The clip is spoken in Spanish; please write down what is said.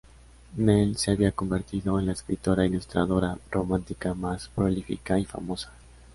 Nell se había convertido en la escritora-ilustradora romántica más prolífica y famosa.